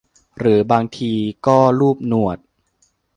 หรือบางทีก็ลูบหนวด